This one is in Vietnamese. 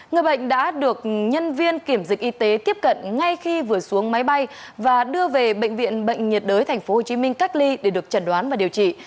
người bệnh đã được nhân viên kiểm dịch y tế tiếp cận ngay khi vừa xuống máy bay và đưa về bệnh viện bệnh nhiệt đới tp hcm cách ly để được chẩn đoán và điều trị